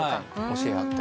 教え合って。